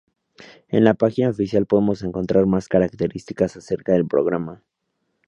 En la página oficial podemos encontrar más características acerca del programa.